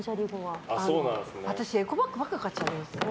私、エコバッグばっか買っちゃいますね。